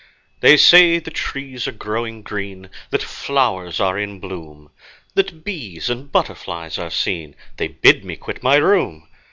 They say the trees are growing green, That flowers are in bloom, That bees and butterflies are seen; They bid me quit my room.